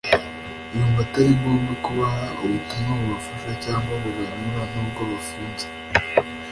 yumva atari ngombwa kubaha ubutumwa bubafasha cyangwa bubanyura nubwo bafunze